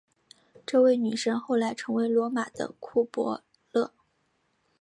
这位女神后来成为罗马的库柏勒。